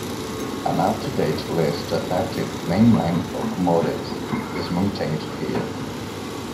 An up-to-date list of active mainline locomotives is maintained here.